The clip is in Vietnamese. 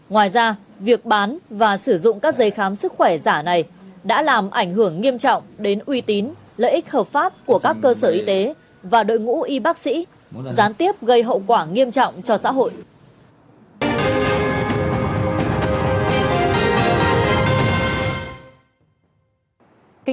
ngoài ra việc bán và sử dụng các dây khám sức khỏe giả này đã làm ảnh hưởng nghiêm trọng đến uy tín lợi ích hợp pháp của các cơ sở y tế và đội ngũ y bác sĩ gián tiếp gây hậu quả nghiêm trọng cho xã hội